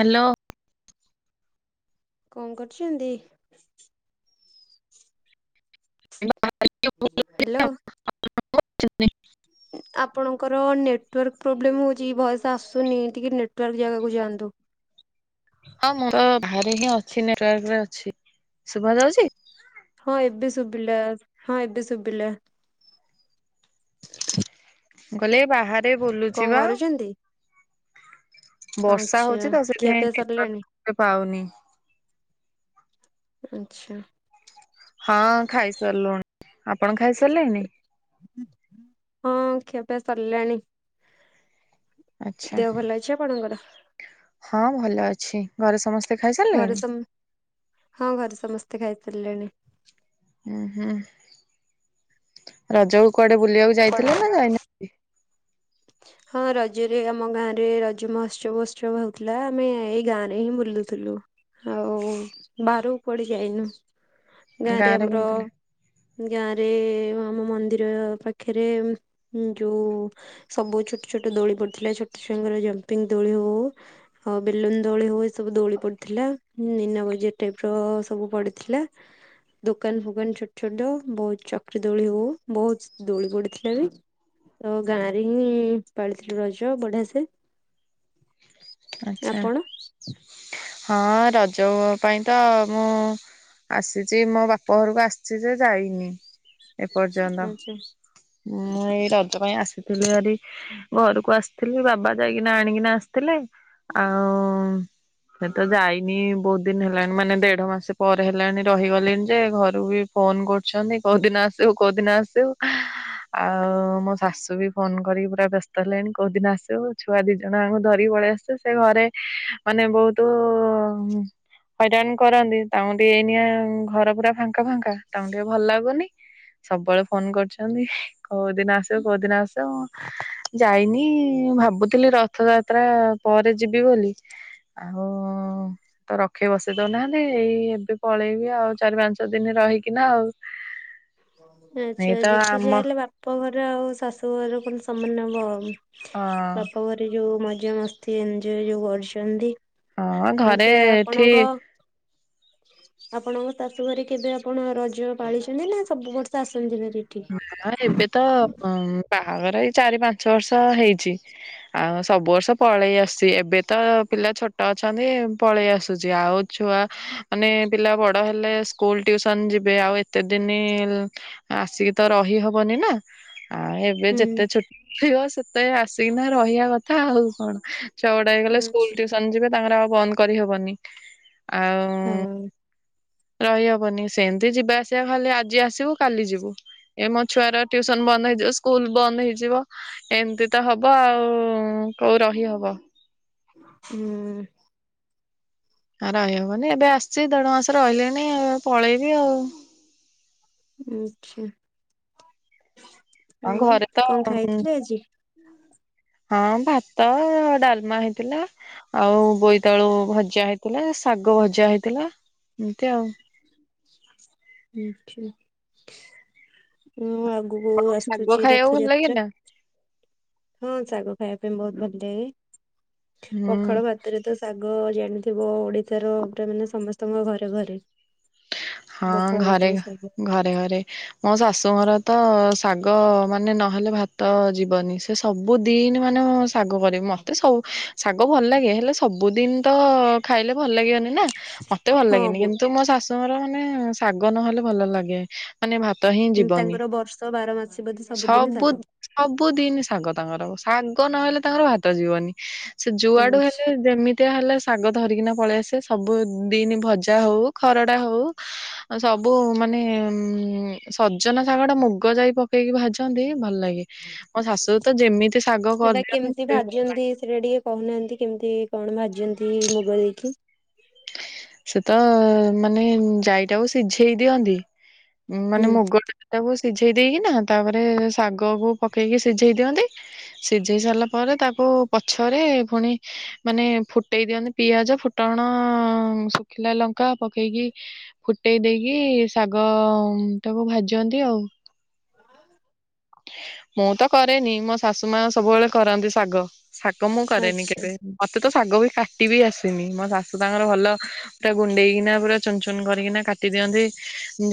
Hello. କଣ କରୁଛନ୍ତି? Hello [unintelligible] ଆପଣଙ୍କର ନେଟୱାର୍କ ପ୍ରୋବ୍ଲେମ୍ ହଉଛି ଭଏସ ଆସୁନି ଟିକେ ନେଟୱାର୍କ ଜାଗାକୁ ଯାଆନ୍ତୁ। ହଁ ମୋର ଭାରି ହିଁ ଅଛି ନେଟୱାର୍କ ରେ ଅଛି ଶୁଭା ଯାଉଛି। ହଁ ଏବେ ଶୁବିଲା ହଁ ଏବେ ଶୁବିଲା। ମୁଁ କଇଲି ଏ ବାହାରେ ବୁଲୁଛି ବା। କରୁଛନ୍ତି? ବର୍ଷା ଆଚ୍ଛା ହଉଛି ତ ସେଥିପାଇଁ ଖିଆପିଆ ସରିଲାଣି ନେଟୱାର୍କ ଟିକେ ପାଉନି। ଆଛା। ହଁ ଖାଇସାଲୁନୁ ଆପଣ ଖାଇସାରିଲେନି? ହଁ ଖିଆ ପିଆ ସଲାଣି। ଆଚ୍ଛା ଦେହ ଭଲ ଅଛି ଆପଣଙ୍କର? ହଁ ଭଲ ଅଛି ଘରେ ସମସ୍ତେ ଖାଇ ଘରେ ସାରିଲେଣି। ସମ ହଁ ଘରେ ସମସ୍ତେ ଖାଇସାଲେଣି। ଉଁ ହୁଁ ରଜକୁ କୁଆଡେ ବୁଲିବାକୁ ଯାଇଥିଲେ ନା ଯାଇନା ହଁ ରଜରେ ଆମ ଗାଁ ରେ ରଜ ମହୋତ୍ସବ ଉତ୍ସବ ହଉଥିଲା। ଆମେ ଏଇ ଗାଁ ରେ ହିଁ ବୁଲୁଥିଲୁ। ଆଉ ବାହାରକୁ କୁଆଡ଼େ ଯାଇନୁ। ଗାଁ ରେ ଆମର ଗାଁ ରେ ଆମ ମନ୍ଦିର ପାଖରେ ଯୋଉ ସବୁ ଛୋଟ ଛୋଟ ଦୋଳି ପଡିଥିଲା। ଛୋଟ ଛୁଆଙ୍କର ଜମ୍ପିଙ୍ଗ ଦୋଳି ହଉ ଆଉ ବେଲୁନ ଦୋଳି ହଉ ଏ ସବୁ ଦୋଳି ପଡିଥିଲା ନିନା ବଜାର ଟାଇପ୍ ର ସବୁ ପଡିଥିଲା। ଦୋକାନ ଫୁକାନ ଛୋଟ ଛୋଟ, ବୋହୁତ ଚକ୍ରି ଦୋଳି ହଉ ବୋହୁତ ଦୋଳି ପଡିଥିଲା ବି। ତ ଗାଁରେ ହିଁ ପାଳିଥିଲୁ ରଜ ବଢିଆ ସେ। ଆଛା, ଆପଣ? ହଁ ରଜଅ ପାଇଁ ତ ମୁଁ ଆସିଛି ମୋ ବାପା ଘରକୁ। ଆସିଚି ଯେ ଯାଇନି ଏପର୍ଯ୍ୟନ୍ତ। ଆଛା ମୁଁ ଏଇ ରଜ ପାଇଁ ଆସିଥିଲି ଭାରି ଘରକୁ ଆସିଥିଲି ବାବା ଯାଇକିନା ଆଣିକିନା ଆସିଥିଲେ। ଆଉ ସେ ତ ଯାଇନି, ବୋହୁତ ଦିନି ହେଲାଣି। ମାନେ ଦେଢ ମାସ ପରେ ହେଲାଣି ରହିଗଲିଣି ଯେ ଘରୁ ବି ଫୋନ କରୁଛନ୍ତି, କୋଉ ଦିନ ଆସିବୁ କୋଉଦିନ ଆସିବୁ। ଆଉ ମୋ ଶାଶୁ ବି ଫୋନ କରିକି ପୁରା ବ୍ୟସ୍ତ ହେଲେଣି। କୋଉଦିନ ଆସିବୁ, ଛୁଆ ଦି ଜଣ ଆଙ୍କୁ ଧରିକି ପଳେଇ ଆସିଛୁ। ସେ ଘରେ ମାନେ ବୋହୁତୁ ହଇରାଣ କରନ୍ତି, ତାଙ୍କୁ ଟିକେ ଏଇନିଆ ଘର ପୁରା ଫାଙ୍କା ଫାଙ୍କା ତାଙ୍କୁ ଟିକେ ଭଲ ଲାଗୁନି। ସବୁବେଳେ ଫୋନ କରୁଛନ୍ତି, କୋଉ ଦିନ ଆସିବୁ କୋଉ ଦିନ ଆସିବୁ। ଯାଇନି, ଭାବୁଥିଲି ରଥଯାତ୍ରା ପରେ ଯିବି ବୋଲି। ଆଉ ତ ରଖେଇ ବସେଇ ଦଉ ନାହାନ୍ତି। ଏଇ ଏବେ ପଳେଇବି ଆଉ ଚାରି ପାଞ୍ଚ ଦିନି ରହିକି ନା ଆଉ। ଏଇ ଆଛା ତ ଯେତେ ଯାହା ଆମ ହେଲେ ବାପା ଘର ଆଉ ଶାଶୁ ଘର କଣ ସମାନ ହବ ଆଉ। ହଁ ବାପା ଘରେ ଯୋଉ ମଜା ମସ୍ତି ଏଞୟ ଯୋଉ କରିଛନ୍ତି। ହଁ ଘରେ ଆଛା, ଏଠି ଆପଣଙ୍କ ଆପଣଙ୍କ ତାତୁ ଘରେ କେବେ ଆପଣ ରଜ ପାଳିଛନ୍ତି? ନା ସବୁ ବର୍ଷ ଆସନ୍ତି ଭାରି। ଏଠିକି? ନା ଏବେ ତ ବାହାଘର ଏଇ ଚାରି ପାଞ୍ଚ ବର୍ଷ ହେଇଛି। ଆଉ ସବୁ ବର୍ଷ ପଳେଇ ଆସୁଛି। ଏବେ ତ ପିଲା ଛୋଟ ଅଛନ୍ତି ପଳେଇ ଆସୁଛି ଆଉ ଛୁଆ, ମାନେ ପିଲା ବଡ ହେଲେ ସ୍କୁଲ ଟିୟୁସନ ଯିବେ ଆଉ ଏତେ ଦିନି ଆସିକି ତ ରହିହବନି ନା ଆଉ ଏବେ ହୁଁ ଯେତେ ଛୁଟିହବ ସେତେ ଆସିକିନା ରହିବା କଥା। କଥା ଆଉ କଣ। ଛୁଅ ଗୁଡା ହେଇଗଲେ, ସ୍କୁଲ ହୁଁ। ଟ୍ୟୁସନ ଯିବେ ତାଙ୍କର ଆଉ ବନ୍ଦ କରିହବନି। ଆଉ ହଁ ରହିହବନି ସେମିତି। ଯିବା ଆସିବା ଖାଲି, ଆଜି ଆସିବୁ କାଲି ଯିବୁ। ଏ ମୋ ଛୁଆର ଟିୁସନ ବନ୍ଦ ହେଇଯିବ ସ୍କୁଲ ବନ୍ଦ ହେଇଯିବ। ଏମତି ତ ହବ ଆଉ କୋଉ ରହି ହବ। ହୁଁ। ରହିହବନି, ଏବେ ଆସିଚି ଦେଢ ମାସ ରହିଲେଣି ପଳେଇବି ଆଉ। ଆଛା, ହଁ ଆଉ ଘରେ ତ କଣ ଖାଇଥିଲେ ଆଜି। ହଁ ଭାତ ଡାଲମା ହେଇଥିଲା। ଆଉ ବୋଇତାଳୁ ଭଜା ହେଇଥିଲା। ଶାଗ ଭଜା ହେଇଥିଲା, ଏମିତି ଆଉ। ଁ [inaudible] ଆଛା [unintelligible] ଆଗକୁ ଶାଗ ଆସୁଛି ଖାଇବାକୁ ଭଲ ଲାଗେ ରଥଯାତ୍ରା। ନା ହଁ ଶାଗ ଖାଇବା ପାଇଁ ବହୁତ ଭଲ ଲାଗେ। ହୁଁ। ପଖାଳ ଭାତ ସେଥିରେ ତ ଶାଗ ଜାଣିଥିବ, ଓଡିଶାର ପୁରା ମାନେ ସମସ୍ତଙ୍କ ଘରେ ଘରେ। ହଁ ପଖାଳ ଘରେ ଭାତକୁ ଶାଗ। ଘରେ ଘରେ। ମୋ ଶାଶୁଙ୍କର ତ ଶାଗ ମାନେ ନହେଲେ ଭାତ ଯିବନି। ସେ ସବୁ ଦିନ ମାନ ଶାଗ କରିବୁ ମୋତେ ସବୁ ଶାଗ ଭଲ ଲାଗେ ହେଲେ ସବୁଦିନ ତ ଖାଇଲେ ଭଲ ଲାଗିବନି ନା ମତେ ଭଲ ହଁ ଲାଗେନି। ଗୋ କିନ୍ତୁ ମୋ ଶାଶୁଙ୍କ ର ମାନେ ଶାଗ ନହେଲେ ଭଲ ଲାଗେ ମାନେ ଭାତ ହିଁ ଯିବନି। ତାଙ୍କର ବର୍ଷ ବାର ମାସି ବୋଧେ ସବୁଦିନ ସବୁ ଶାଗ। ସବୁଦିନ ଶାଗ ତାଙ୍କର ଶାଗ ନହେଲେ ତାଙ୍କର ଭାତ ଯିବନି। ସେ ଯୁଆଡୁ ଆଚ୍ଛା। ହେଲେ ଯେମିତି ଏଇଆ ହେଲେ ଶାଗ ଧରିକିନା ପଳେଇ ଆସିବେ ସବୁ ଦିନ ଭଜା ହଉ ଖରଡ଼ା ହଉ। ସବୁ ମାନେ ଉ ଉ ସଜନା ଶାଗ ଟା ମୁଗ ଯାଇ ପକେଇକି ଭାଜନ୍ତି ଭଲ ଲାଗେ। ମୋ ଶାଶୁ ତ ଯେମିତି ଶାଗ ସେଟା କେମିତି କରିଦିଅନ୍ତି ଭଲ ଭାଜନ୍ତି ଲାଗେ। ସେଟା ଟିକେ କହୁନାହାନ୍ତି କେମିତି କଣ ଭାଜନ୍ତି ମୁଗ ଯାଇ କି? ସେ ତ ମାନେ ଯାଇଟାକୁ ସିଝେଇ ଦିଅନ୍ତି ହୁଁ ମାନେ ମୁଗ ତାକୁ ସିଝେଇ ଦେଇକି ନା ତାପରେ ଶାଗ କୁ ପକେଇକି ସିଝେଇ ଦିଅନ୍ତି। ସିଝେଇ ସାରିଲା ପରେ ତାକୁ ପଛରେ ପୁଣି ମାନେ ଫୁଟେଇ ଦିଅନ୍ତି ପିଆଜ ଫୁଟଣ ଶୁଖିଲା ଲଙ୍କା ପକେଇକି। ଫୁଟେଇ ଦେଇକି ଶାଗ ଟାକୁ ଭାଜନ୍ତି ଆଉ। ମୁଁ ତ କରେନି ମୋ ଶାଶୁ ମା ସବୁବେଳେ କରନ୍ତି ଶାଗ। ଶାଗ ମୁଁ କରେନି ଆଚ୍ଛା କେବେ ମତେ ତ ଶାଗ ବି କାଟିିବି ଆସେନି। ମୋ ଶାଶୁ ତାଙ୍କର ଭଲ ସେଟା ଗୁଣ୍ଡେଇକିନା ପୁରା ଚୁନୁ ଚୁନୁ କରିକିନା କାଟି ଦିଅନ୍ତି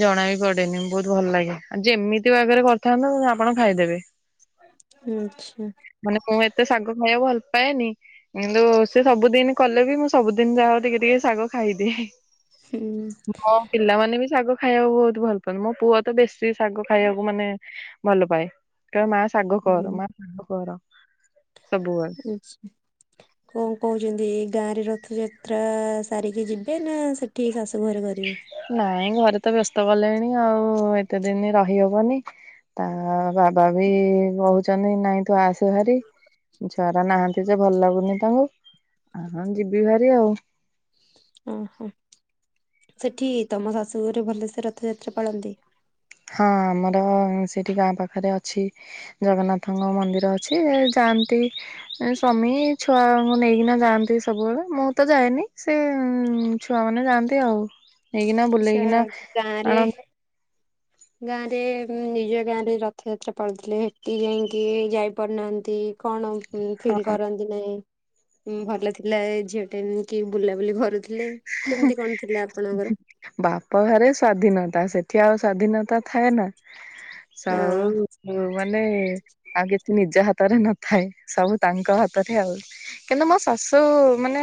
ଜଣା ବି ପଡେନି ବହୁତ ଭଲ ଲାଗେ। ଆଉ ଯେମିତି ବାଗରେ କରିଥାନ୍ତୁ ଆପଣ ଖାଇଦେବେ। ଆଛା। ମାନେ ମୁଁ ଏତେ ଶାଗ ଖାଇବାକୁ ଭଲ ପାଏନି? କିନ୍ତୁ ସେ ସବୁଦିନ କଲେ ବି ମୁଁ ସବୁଦିନ ଯା ହୋଉ ଟିକେ ଟିକେ ଶାଗ ଖାଇଦିଏ। ହୁଁ। ମୋ ପିଲାମାନେ ବି ଶାଗ ଖାଇବାକୁ ବହୁତ ଭଲ ପାଆନ୍ତି ମୋ ପୁଅ ତ ବେଶୀ ଶାଗ ଖାଇବାକୁ ମାନେ ଭଲ ପାଏ କହିବ ମା ଶାଗ ହୁଁ କର ମା ଶାଗ କର ସବୁ ବେଳେ। ଆଚ୍ଛା। କଣ କହୁଛନ୍ତି ଏଈ ଗାଁରେ ରଥଯାତ୍ରା ସାରିକି ଯିବେ ନା ସେଠି ଶାଶୁ ଘରେ କରି [unintelligible] ନାଇଁ ଘରେ ତ ବ୍ୟସ୍ତ କଲେଣି ଆଉ ଏତେ ଦିନ ରହିହବନି। ତା ବାବା ବି କହୁଛନ୍ତି ନାଇଁ ତୁ ଆସେ ଭାରି। ଛୁଆଗୁରା ନାହାନ୍ତି ଯେ ଭଲ ଲାଗୁନି ତାଙ୍କୁ ଆ ଯିବି ଭାରି ଆଉ। ଓହୋ ସେଠି ତମ ଶାଶୁଘରେ ଭଲସ ରଥଯାତ୍ରା ପାଳନ୍ତି? ହଁ ଆମର ସେଠି ଗାଁ ପାଖରେ ଅଛି ଜଗନ୍ନାଥଙ୍କ ମନ୍ଦିର। କିଛି ଯାଆନ୍ତି। ସ୍ୱାମୀ ଛୁଆଙ୍କୁ ନେଇକିନା ଯାଆନ୍ତି ସବୁବେଳେ ମୁଁ ତ ଯାଏନି। ସେ ଛୁଆ ମାନେ ଯାଆନ୍ତି ଆଉ ହେଇକିନା ସେ ବୁଲେଇକିନା ଗାଁରେ ଆଣନ୍ତି। ଗାଁରେ ନିଜ ଗାଁରେ ରଥଯାତ୍ରା ପାଳୁ ଥିଲେ ସେଠି ଯାଇକି ଯାଇପାରୁନାହାନ୍ତି। କଣ? ହଁ ଫିଲ୍ କରନ୍ତି ନାଇଁ ଭଲ ଥିଲା ଝିଅ ଟେ ଏମ୍ କି ବୁଲାବୁଲି କରୁ ଥିଲେ କେମିତି କଣ ଥିଲେ ଆପଣଙ୍କର? ବାପ ଘରେ ସ୍ଵାଧୀନତା ସେଠି ଆଉ ସ୍ଵାଧୀନତା ଥାଏ ନା। ହଁ ସଉ। ଯୋଉ ମାନେ ଆଉ କିଛି ନିଜ ହାତରେ ନଥାଏ ସବୁ ତାଙ୍କ ହାତରେ ଆଉ। କିନ୍ତୁ ମୋ ଶାଶୁ ମାନେ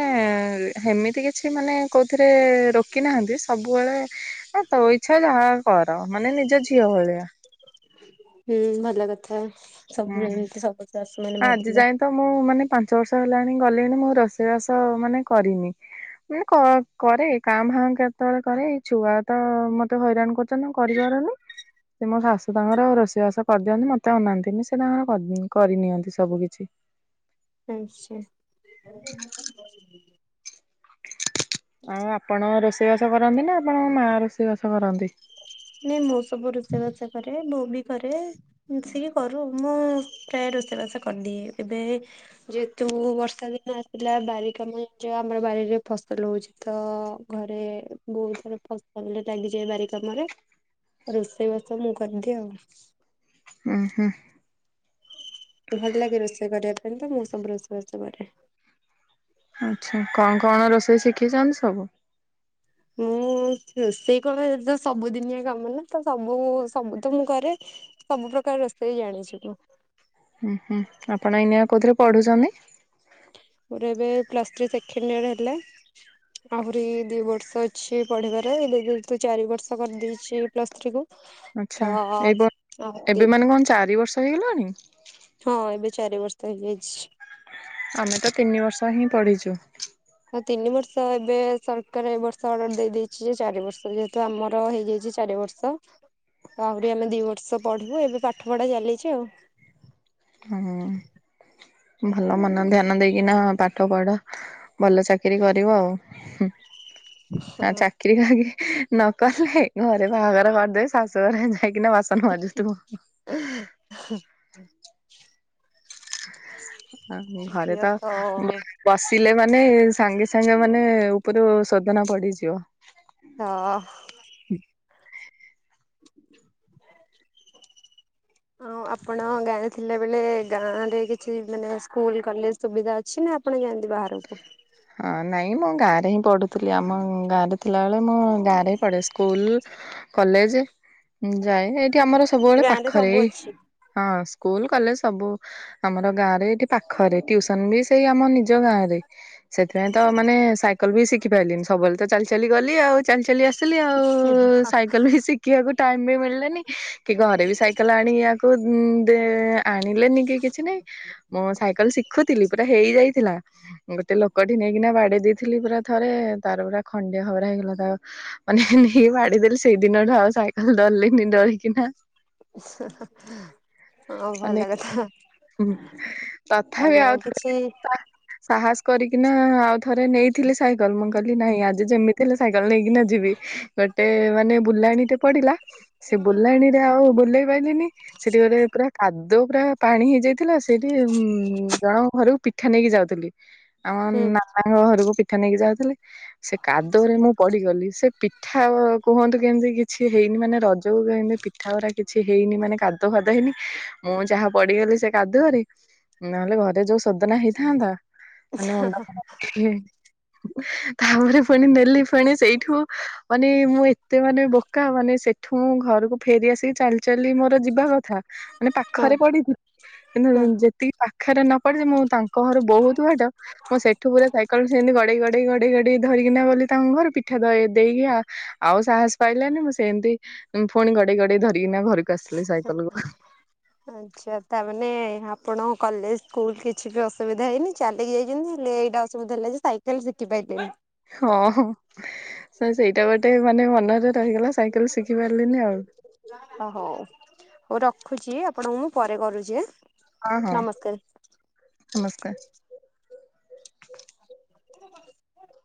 ସେମିତି କି କିଛି ମାନେ କୋଉ ଥିରେ ରୋକି ନାହାନ୍ତି ସବୁବେଳେ ଏ ତୋ ଇଚ୍ଛା ଯାହା କର ମାନେ ନିଜ ଝିଅ ଭଳିଆ। ହୁଁ ଭାଗ୍ୟ କଥା ସବୁବେଳେ ହୁଁ। ଏମତି ସବୁ ଶାଶୁ ମାନେ ଆଜି ଭାବିଲେ ଯାଏଁ ତ ମୁଁ ମାନେ ପାଞ୍ଚ ବର୍ଷ ହେଲାଣି ଗଲିଣି ମୁଁ ରୋଷେଇବାସ ମାନେ କରିନି। ମାନେ କ କରେ କାଁ ଭାଁ କେତେବେଳେ କରେ ଏଇ ଛୁଆ ତ ମତେ ହଇରାଣ କର୍ କାମ କରିପାରୁନି ସେ ମୋ ଶାଶୁ ତାଙ୍କର ରୋଷେଇବାସ କରିଦିଅନ୍ତି ମତେ ଅନାନ୍ତିନି। ସେ ତାଙ୍କର କରି ଦି କରି ନିିଅନ୍ତି ସବୁ କିଛି। ଆଚ୍ଛା। ଆଉ ଆପଣ ରୋଷେଇବାସ କରନ୍ତି ନା ଆପଣଙ୍କ ମା ରୋଷେଇ ବାସ କରନ୍ତି? ନାଇଁ ମୁଁ ସବୁ ରୋଷେଇବାସ କରେ ବୋଉ ବି କରେ। ମିଶିକି କରୁ ମୁଁ ପ୍ରାୟ ରୋଷେଇବାସ କରିଦିଏ। ଏବେ ଯେହେତୁ ବର୍ଷା ଦିନ ଆସିଲା ବାରି କାମ ହେଇଛି ଆମର ବାରିରେ ଫସଲ ହଉଛି। ତ ଘରେ ବହୁତଥର ଫସଲ ଲାଗିଯାଏ ବାରି କାମରେ। ରୋଷେଇବାସ ମୁଁ କରିଦିଏ ଅଉ। ଉଁ ହୁଁ। ଭଲ ଲାଗେ ରୋଷେଇ କରିବା ପାଇଁ ତ ମୁଁ ସବୁ ରୋଷେଇବାସ କରେ। ଆଚ୍ଛା କଣ କଣ ରୋଷେଇ ଶିଖେଇଛନ୍ତି ସବୁ? ମୁଁ ରୋଷେଇ କଣ ଏ ତ ସବୁଦିନିଆ କାମ ନା ତ ସବୁ ସବୁ ତ ମୁଁ କରେ। ସବୁ ପ୍ରକାର ରୋଷେଇ ଜାଣିଛୁ ମୁଁ। ହୁଁ ହୁଁ ଆପଣ ଏଇନିଆ କୋଉଥିରେ ପଢୁଛନ୍ତି? ମୋର ଏବେ ପ୍ଲସ୍ ଥ୍ରୀ ସେକେଣ୍ଡ ଇୟର ହେଲା। ଆହୁରି ଦି ବର୍ଷ ଅଛି ପଢିବାରେ ଏବେ ଯେହେତୁ ଚାରି ବର୍ଷ କରିଦେଇଛି ପ୍ଲସ ଥ୍ରୀ କୁ। ତ ଆଚ୍ଛା ଏଇ ବ ଏବେ ମାନେ କଣ ଚାରି ବର୍ଷ ହେଇଗଲାଣି? ହଁ, ଏବେ ଚାରି ବର୍ଷ ହେଇଯାଇଛି। ଆମେ ତ ତିନି ବର୍ଷ ହିଁ ପଢିଛୁ। ହଁ ତିନି ବର୍ଷ ଏବେ ସରକାର ଏ ବର୍ଷ ଅର୍ଡର ଦେଇ ଦେଇଛି ଯେ ଚାରି ବର୍ଷ ଯେହେତୁ ଆମର ହେଇଯାଇଛି ଚାରି ବର୍ଷ। ସ ଆହୁରି ଆମେ ଦି ବର୍ଷ ପଢିବୁ ଏବେ ପାଠ ପଢା ଚାଲିଛି ଆଉ। ହୁଁ ହୁଁ ଭଲ ମନ ଧ୍ୟାନ ଦେଇକିନା ପାଠ ପଢ। ଭଲ ଚାକିରି କରିବ ଆଉ ହୁଁ ଆଉ ଚା ଚାକିରି ବାକି ନକଲେ ଘରେ ବାହାଘର କରିଦେବେ ଶାଶୁଘରେ ଯାଇକିନା ବାସ ବାସନ ମାଜୁଥିବୁ ହୁଁ। [inaudible] ହଁ ଘରେ ତ ବସିଲେ ମାନେ ସାଙ୍ଗେ ସାଙ୍ଗେ ମାନେ ଉପରୁ ଶୋଧନା ପଡିଯିବ। ହଁ [inaudible] ହଁ ଆପଣ ଗାଁରେ ଥିଲାବେଳେ ଗାଁରେ କିଛି ମାନେ ସ୍କୁଲ କଲେଜ ସୁବିଧା ଅଛି ନା ଆ ଆପଣ ଯାଆନ୍ତି ବାହାରକୁ? ହଁ ନାଇଁ ମୁଁ ଗାଁରେ ହିଁ ପଢୁଥିଲି ଆମ ଗାଁରେ ଥିଲାବେଳେ ମୁଁ ଗାଁରେ ହିଁ ପଢେ। ସ୍କୁଲ କଲେଜ ଯାଏ ଏଠି ଆମର ସବୁବେଳେ ଗାଁ ରେ ପାଖରେ ସବୁ ଏଇ ଅଛି। ହଁ ସ୍କୁଲ କଲେଜ ସବୁ ଆମର ଗାଁରେ ଏଠି ପାଖରେ ଟ୍ୟୁସନ ବି ସେଇ ଆମ ନିଜ ଗାଁରେ ସେଥିପାଇଁ ତ ମାନେ ସାଇକେଲ ବି ଶିଖି ପାରଲିିନି ସବୁବେଳେ ତ ଚାଲି ଚାଲି ଗଲି ଆଉ। ଚାଲି ଚାଲି ଆସିଲି ଆଉ ସାଇକେଲ ବି ଶିଖିବାକୁ ଟାଇମ୍ ବି ମିଳିଲାନି କି ଘରେ ବି ସାଇକେଲ ଆଣିଆ ତୁ ଦେ ଆଣିଲେନି କି କିଛି ନାଇଁ ମୁଁ ସାଇକେଲ ଶି ଦେଖୁଥିଲି ପୁରା ହେଇଯାଇଥିଲା। [unintelligible] [unintelligible] ଲୋକଟି ନେଇକିନା ବାଡେଇ ଦେଇଥିଲି ପୁରା ଥରେ ତାର ପୁରା ଖଣ୍ଡିଆ ଖବରା ହେଇଗଲା। ତା ମାନେ ନେଇ ବାଡିଦେଲି ସେଇ ଦିନଠୁ ଆଉ ସାଇକେଲ ଡରଲିନି ଡରିକିନା। [unintelligible] ହଁ ଭଲ ମାନେ କଥା ତଥାପି ଆଉ [unintelligible] ସାହସ କରିକିନା ଆଉ ଥରେ ନେଇଥିଲି ସାଇକଲ, ମୁଁ କାଲି ନାଇଁ ଆ ଜି ଯେମିତି ହେଲେ ସାଇକେଲ ନେଇକିନା ଯିବି। ଗୋଟେ ମାନେ ବୁଲାଣ ଟେ ପଡିଲା, ସେ ବୁଲାଣୀରେ ଆଉ ବୁଲେଇ ପାରଲିନି, ସେଠି ଗେଟ ପୁରା ଖାଦୁ ଦ ପୁରା ପାଣି ହେଇଯାଇଥିଲା ସେଇଠି ଉଁ ଜଣଙ୍କ ଘରକୁ ପିଠା ନେଇକି ଯାଉଥିଲି। ହୁଁ ଆମ [unintelligible] ଘରକୁ ପିଠା ନେଇକି ଯାଉଥିଲି ସେ କାଦୁଅରେ ମୁଁ ପଡିଗଲି। ସେ ପି ପିଠା କୁହନ୍ତୁ କେମିତି କିଛି ହେଇନି, ମାନେ ରଜକୁ କେମିତି ପିଠା ଗରା କିଛି ହେଇନି, ମାନେ କା ଦ ହେଇନି, ମୁଁ ଯାହା ପଡିଗଲି ସେ କାଦୁରେ, ନହେଲେ ଘରେ ଯୋଉ ସୋ ସଦନା ହେଇଥାନ୍ତା। [unintelligible] ତାପରେ ପୁଣି ନେଲି ପୁଣି ସେଇଠୁ ମାନେ ମୁଁ ଏତେ ମାନେ ବୋକା ମାନେ ସେଠୁ ଘରକୁ ଫେରି ଆସିକି ଚାଲି [unintelligible] ମୋର ଯିବା କଥା ମାନେ ହଁ ପାଖରେ ପଡିଥିଲନ୍ତ ହଁ। ଯେତିକି ପାଖରେ ନ ପଡିଛି, ମୁଁ ତାଙ୍କ ଘରୁ ବହୁତ ବାଟ ମଁ ସେଇଠୁ ପୁରା ସାଇକେଲ ସେମତି ଗଡେଇ ଗଡେଇ ଗଡେଇ ଗଡେଇ ଧରିକିନା ବୋଲି ତାଙ୍କ ଘରକୁ ପିଠା ଦ ଦେଇକି ଆଉ ଆଉ ସାହସ ପାଇଲାନି ମୁଁ ସେମିତି ପୁଣି ଗଡେଇ ଗଡେଇ ଧରିକିନା ଘରକୁ ଆସିଲି ସାଇକେଲ କୁ। ହଁ। ଆଚ୍ଛା ତାମାନେ ଆପଣଙ୍କ କଲେଜ ସ୍କୁଲ୍ କିଛି ବି ଅସୁବିଧା ହେଇନି ଚାଲିକି ଯାଇଛନ୍ତି। ହେଲେ ଏଇଟା ଅସୁବିଧା ହେଲା ଯେ ସାଇକେଲ ଶିଖି ପାଇଲେନୀ। ହଁ ହଁ, ସେଇଟା ଗୋଟେ ମାନେ ମନରେ ରହିଗଲା ସାଇକେଲ ଶିଖି ପାରିଲିନି ଆଉ। ଓ ହଉ ହଉ ରଖୁଛି ଆପଣଙ୍କୁ ମୁଁ ପରେ କରୁଛି ଆଁ? ହଁ ହଁ, ନମସ୍କାର। [unintelligible]